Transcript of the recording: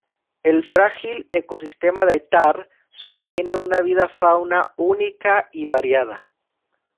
El frágil ecosistema de Thar sostiene una vida fauna única y variada.